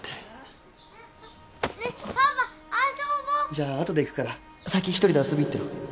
じゃあ後で行くから先１人で遊び行ってろ